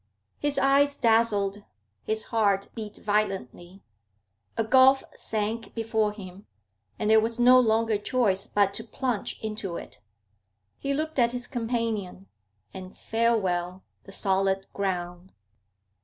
His eyes dazzled; his heart beat violently. A gulf sank before him, and there was no longer choice but to plunge into it. He looked at his companion, and farewell the solid ground.